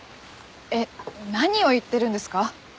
えっ何を言ってるんですか？